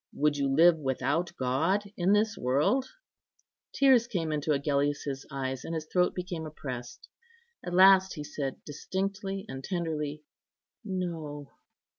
Would you live 'without God in this world'?" Tears came into Agellius's eyes, and his throat became oppressed. At last he said, distinctly and tenderly, "No."